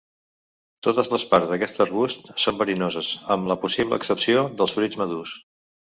Totes les parts d'aquest arbust són verinoses amb la possible excepció dels fruits madurs.